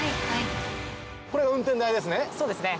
これ運転台ですね。